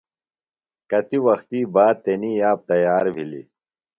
کتیۡ وختیۡ باد تنی یاب تیار بِھلیۡ۔